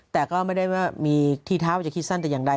แต่ก็ไม่ได้ว่ามีที่เท้าว่าจะคิดสั้นแต่อย่างใด